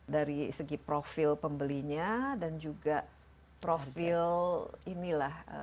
dari segi profil pembelinya dan juga profil inilah